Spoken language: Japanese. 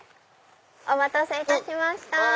お待たせいたしました